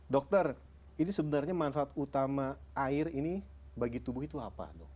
dokter ini sebenarnya manfaat utama air ini bagi tubuh itu apa dok